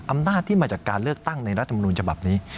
อำนาจที่มาจากการเลือกตั้งในรัฐมนูญฉบับนี้